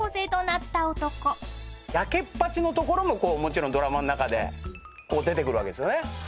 やけっぱちのところももちろんドラマの中で出てくるわけですよね？